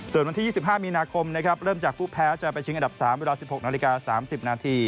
ส่วนวันที่๒๕มีนาคมนะครับเริ่มจากผู้แพ้จะไปชิงอันดับ๓เวลา๑๖นาฬิกา๓๐นาที